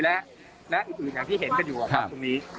และณอื่นอย่างที่เห็นกันอยู่ตรงนี้